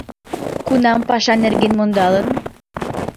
Кунам, паша нерген мондалын